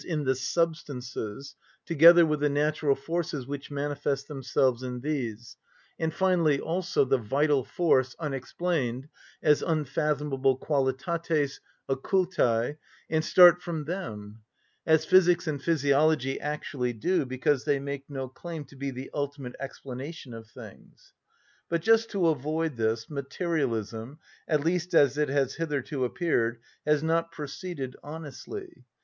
_, in the substances, together with the natural forces which manifest themselves in these, and finally also the vital force, unexplained, as unfathomable qualitates occultæ, and start from them; as physics and physiology actually do, because they make no claim to be the ultimate explanation of things. But just to avoid this, materialism—at least as it has hitherto appeared—has not proceeded honestly.